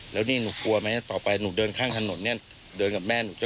แล้วนี่หนูกลัวไหมต่อไปหนูเดินข้างถนนเนี่ยเดินกับแม่หนู